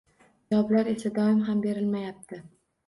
Javoblar esa doim ham berilmayapti.